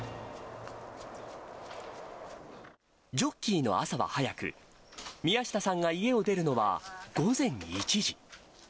ジョッキーの朝は早く、宮下さんが家を出るのは午前１時。